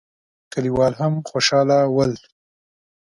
کليوال هم خوشاله ول.